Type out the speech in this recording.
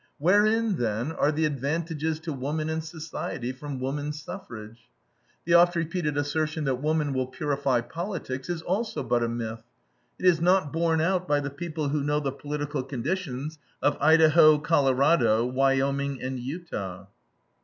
Wherein, then, are the advantages to woman and society from woman suffrage? The oft repeated assertion that woman will purify politics is also but a myth. It is not borne out by the people who know the political conditions of Idaho, Colorado, Wyoming, and Utah.